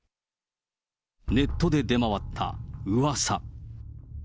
ネットで出回ったうわさ。